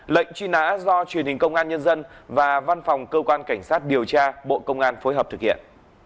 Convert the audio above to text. lệnh truy nã do truyền hình công an nhân dân và văn phòng cơ quan cảnh sát điều tra bộ công an phối hợp thực hiện